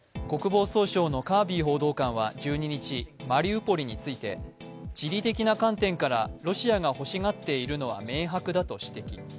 国防総省のカービー報道官は１２日、マリウポリについて地理的な観点からロシアが欲しがっているのは明白だと指摘。